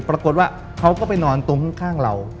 ปรากฏว่าเขาก็ไปนอนตรงข้างเรา